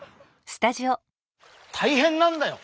大変なんだよ！